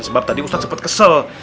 sebab tadi ustadz sempat kesel